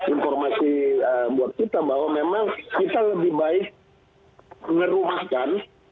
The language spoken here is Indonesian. informasi buat kita bahwa memang kita lebih baik ngerumahkan